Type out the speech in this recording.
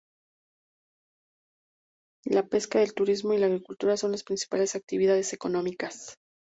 La pesca, el turismo y la agricultura son las principales actividades económicas.